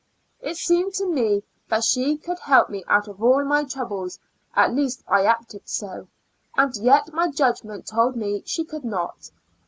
It seemed to me that she co.uld help me out of all my troubles, at least I acted so, aud yet my judgment told me she could not.